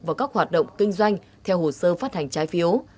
vào các hoạt động kinh doanh theo hồ sơ phát hành trái phiếu